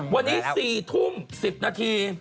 วันนี้๔ทุ่ม๑๐นาที